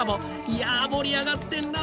いや盛り上がってんな！